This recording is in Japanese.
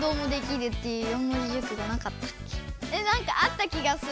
なんかあった気がする。